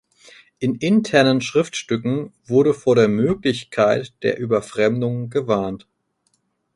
In internen Schriftstücken wurde vor der Möglichkeit der Überfremdung gewarnt.